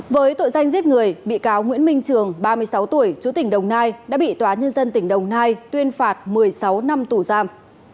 với tội danh giết người bị cáo nguyễn minh trường ba mươi sáu tuổi chú tỉnh đồng nai đã bị tòa nhân dân tỉnh đồng nai tuyên phạt một mươi sáu năm tù giam